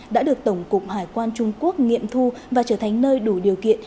đã được tổng cục hải quan trung quốc nghiệm thu và trở thành nơi đủ điều kiện